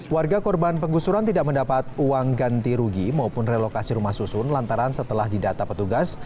warga korban penggusuran tidak mendapat uang ganti rugi maupun relokasi rumah susun lantaran setelah didata petugas